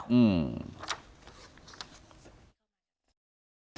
อืม